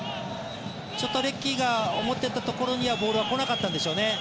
ちょっとレッキーが思ってたところにはボールが来なかったんでしょうね。